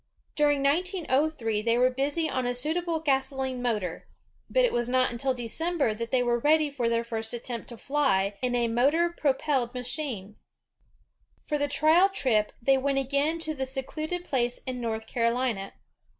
During 1903 they were busy on a suitable gasoline motor, but it was not until December that they were ready for their first attempt to fly in a motor propelled machine. For the trial trip, they went again to the secluded place in North Carolina.